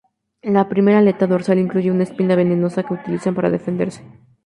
La primera aleta dorsal incluye una espina venenosa que utilizan para defenderse.